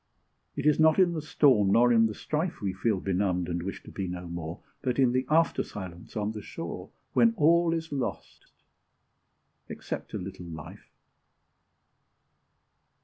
It is not in the storm nor in the strife We feel benumbed, and wish to be no more, But in the after silence on the shore, When all is lost, except a little life.